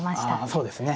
ああそうですね。